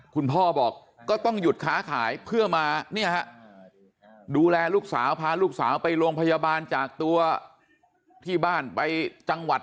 พ่อบอกก็ต้องหยุดค้าขายเพื่อมาดูแลลูกสาวพาลูกสาวไปโรงพยาบาลจากตัวที่บ้านไปจังหวัด